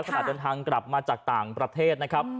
ขณะเดินทางกลับมาจากต่างประเทศนะครับ